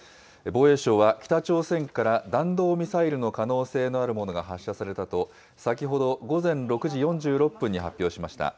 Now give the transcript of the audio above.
防衛省は北朝鮮から弾道ミサイルの可能性のあるものが発射されたと、先ほど午前６時４６分に発表しました。